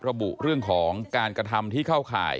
ระบุเรื่องของการกระทำที่เข้าข่าย